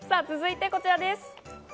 続いてこちらです。